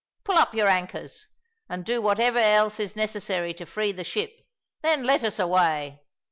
Pull up your anchors and do whatever else is necessary to free the ship; then let us away.